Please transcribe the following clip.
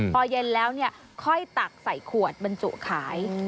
พอเย็นแล้วค่อยตักใส่ขวดบรรจุขาย